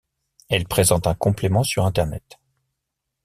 Elle présente un complément sur Internet.